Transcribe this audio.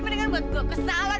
mendingan buat gua kesawan